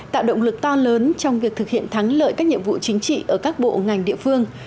tạo động lực to lớn trong việc thực hiện thắng lợi các nhiệm vụ chính trị ở các bộ ngành địa phương